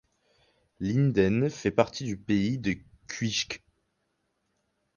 Linden fait partie du Pays de Cuijk.